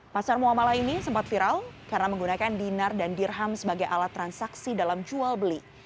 pasar muamalah ini sempat viral karena menggunakan dinar dan dirham sebagai alat transaksi dalam jual beli